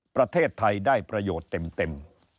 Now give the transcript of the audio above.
ประเทศไทยได้ประโยชน์เต็ม